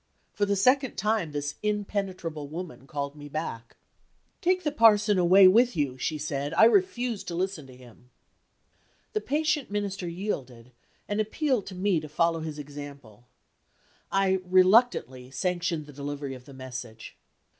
For the second time this impenetrable woman called me back. "Take the parson away with you," she said. "I refuse to listen to him." The patient Minister yielded, and appealed to me to follow his example. I reluctantly sanctioned the delivery of the message.